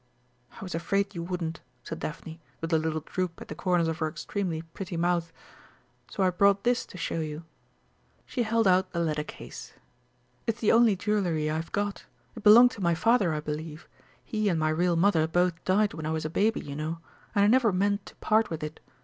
"I was afraid you wouldn't," said Daphne, with a little droop at the corners of her extremely pretty mouth. "So I brought this to show you." She held out the leather case. "It's the only jewellery I've got. It belonged to my father, I believe; he and my real mother both died when I was a baby, you know and I never meant to part with it.